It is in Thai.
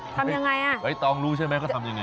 ทำยังไงอ่ะเฮ้ยตองรู้ใช่ไหมเขาทำยังไง